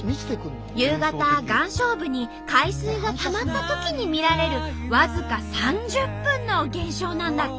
夕方岩礁部に海水がたまったときに見られる僅か３０分の現象なんだって。